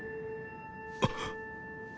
あっ！